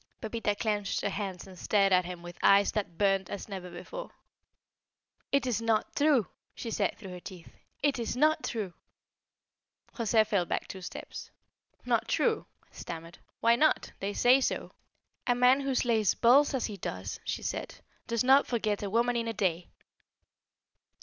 Pepita clinched her hands and stared at him with eyes that burned as never before. "It is not true!" she said through her teeth. "It is not true!" José fell back two steps. "Not true?" he stammered. "Why not? They say so." "A man who slays bulls as he does," she said, "does not forget a woman in a day."